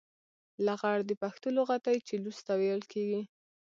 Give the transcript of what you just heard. لغړ د پښتو لغت دی چې لوڅ ته ويل کېږي.